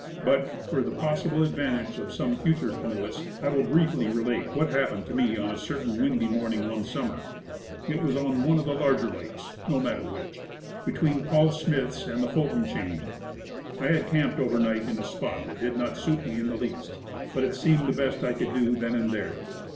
But, for the possible advantage of some future canoeist, I will briefly relate what happened to me on a certain morning in August, 1883. It was on one of the larger lakes no matter which be tween Paul Smith's and the Fulton Chain. I had camped over night in a spot that did not suit me in the least, but it seemed the best I could do then and there.